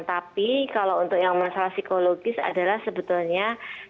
tapi kalau untuk yang masalah psikologis adalah sebetulnya